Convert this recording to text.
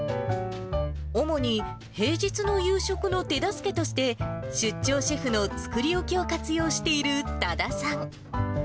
主に平日の夕食の手助けとして、出張シェフの作り置きを活用している多田さん。